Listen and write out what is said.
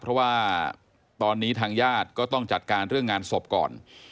เพราะว่าตอนนี้ทางญาติก็ต้องจัดการเรื่องงานศพก่อน